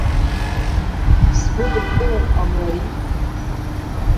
Сбыдыбкылар ҟамлари?